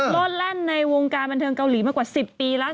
โลดแล่นในวงการบันเทิงเกาหลีมากว่า๑๐ปีแล้ว